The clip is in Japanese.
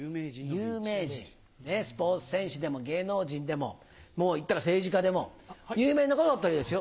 有名人スポーツ選手でも芸能人でも言ったら政治家でも有名な方だったらいいですよ。